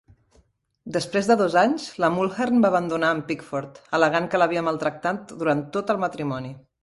Després de dos anys la Mulhern va abandonar a en Pickford, al·legant que l'havia maltractat durant tot el matrimoni.